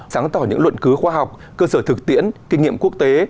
sáng tỏ những luận cứu khoa học cơ sở thực tiễn kinh nghiệm quốc tế